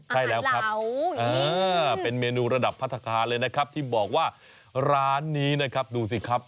ใช่แล้วครับเป็นเมนูระดับพัฒนาคารเลยนะครับที่บอกว่าร้านนี้นะครับดูสิครับ